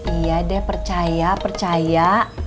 iya deh percaya percaya